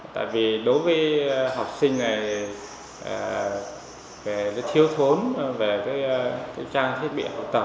tại vì đối với học sinh thiếu thốn về trang thiết bị học tập